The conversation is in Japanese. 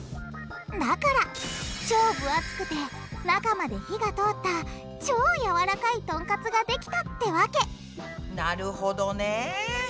だから超ぶ厚くて中まで火が通った超やわらかいトンカツができたってわけなるほどね。